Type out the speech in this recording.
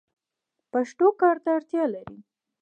پښتو کار ته اړتیا لري.